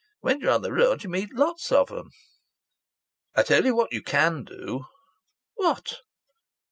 When you're on the road you meet lots of 'em." "I tell you what you can do!" "What?"